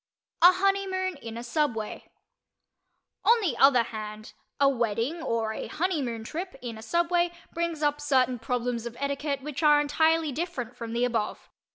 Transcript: A HONEYMOON IN A SUBWAY On the other hand, a wedding or a "honeymoon" trip in a subway brings up certain problems of etiquette which are entirely different from the above.